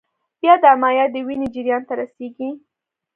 بیا دا مایع د وینې جریان ته رسېږي.